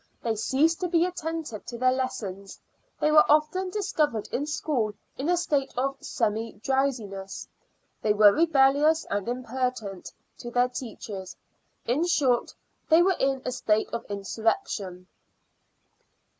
They ceased to be attentive to their lessons; they were often discovered in school in a state of semi drowsiness; they were rebellious and impertinent to their teachers in short, they were in a state of insurrection.